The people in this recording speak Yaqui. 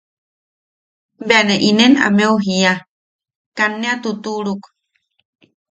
Bea ne inen ammeu jiaa –Kaa ne a tutuʼuruk.